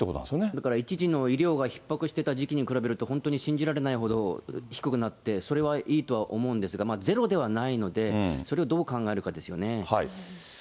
だから一時の医療がひっ迫していた時期に比べると本当に信じられないほど低くなって、それはいいとは思うんですが、ゼロではないので、それをどう考えるかですよね。